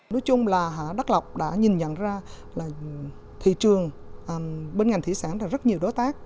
nói chung là đắc lọc đã nhìn nhận ra là thị trường bên ngành thủy sản là rất nhiều đối tác